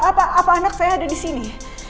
ada apa apa apa anak saya ada di sini